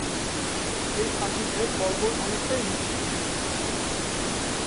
এই স্থানটিতে পর্বত অনেকটাই নিচু।